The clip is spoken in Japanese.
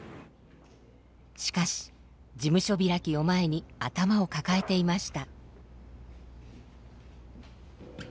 しかし事務所開きを前に頭を抱えていました。